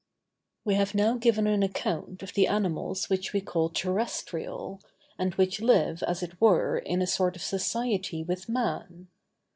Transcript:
We have now given an account of the animals which we call terrestrial, and which live as it were in a sort of society with man.